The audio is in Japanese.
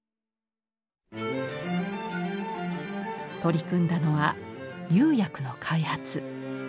取り組んだのは釉薬の開発。